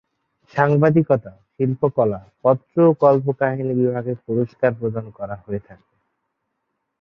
সাংবাদিকতা, শিল্পকলা, পত্র ও কল্পকাহিনী বিভাগে পুরস্কার প্রদান করা হয়ে থাকে।